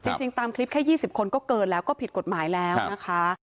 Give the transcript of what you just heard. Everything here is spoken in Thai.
จริงตามคลิปแค่๒๐คนก็เกินแล้วก็ผิดกฎหมายแล้วนะคะ